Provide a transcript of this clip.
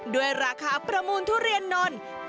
ด้วยราคาประมูลทุเรียนนนท์